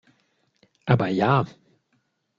Aber ja!